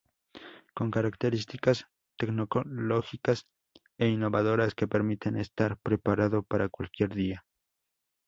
Con características tecnológicas e innovadoras que permiten estar preparado para cualquier día.